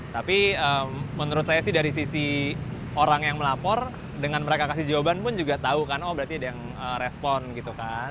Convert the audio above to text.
tapi menurut saya sih dari sisi orang yang melapor dengan mereka kasih jawaban pun juga tahu kan oh berarti ada yang respon gitu kan